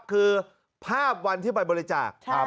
คือภาพวันที่ไปบริจาค